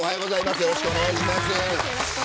よろしくお願いします。